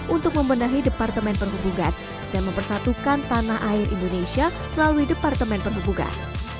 untuk membenahi departemen perhubungan dan mempersatukan tanah air indonesia melalui departemen perhubungan